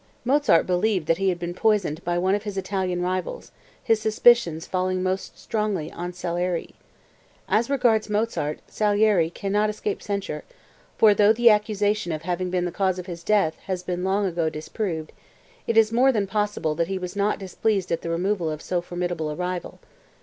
(Mozart believed that he had been poisoned by one of his Italian rivals, his suspicion falling most strongly on Salieri. ["As regards Mozart, Salieri cannot escape censure, for though the accusation of having been the cause of his death has been long ago disproved, it is more than possible that he was not displeased at the removal of so formidable a rival.